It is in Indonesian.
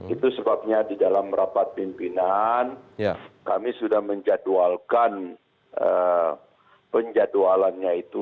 itu sebabnya di dalam rapat pimpinan kami sudah menjadwalkan penjadwalannya itu